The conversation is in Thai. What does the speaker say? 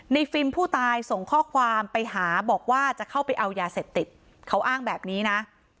ฟิล์มผู้ตายส่งข้อความไปหาบอกว่าจะเข้าไปเอายาเสพติดเขาอ้างแบบนี้นะ